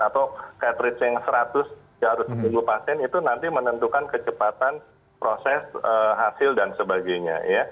atau cat rich yang seratus ya harus seminggu pasien itu nanti menentukan kecepatan proses hasil dan sebagainya